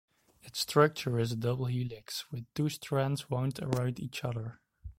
Its structure is a double helix, with two strands wound around each other.